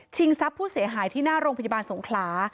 ทรัพย์ผู้เสียหายที่หน้าโรงพยาบาลสงขลา